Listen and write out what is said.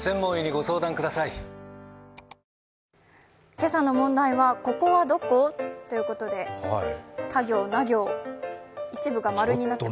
今朝の問題はここはどこ？ということでた行、な行、一部が○になってます。